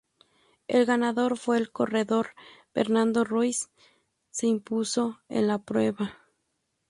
El ganador fue el corredor Bernardo Ruiz se impuso en la prueba.